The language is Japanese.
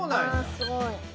あすごい。